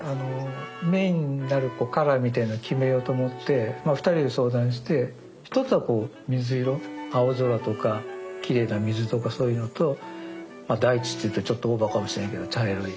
メインになるカラーみたいなのを決めようと思って二人で相談して１つは水色青空とかきれいな水とかそういうのと大地っていったらちょっとオーバーかもしれないけど茶色い。